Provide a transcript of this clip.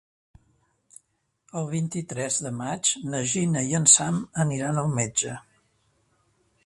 El vint-i-tres de maig na Gina i en Sam aniran al metge.